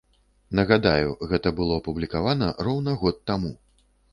Нагадаю, гэта было апублікавана роўна год таму.